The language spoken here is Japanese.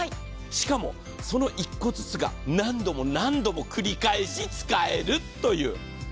しかも、その１個ずつが何度も何度も繰り返し使えるという。